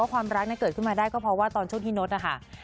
ความรักเกิดขึ้นมาได้ก็เพราะว่าตอนช่วงที่นดนะคะ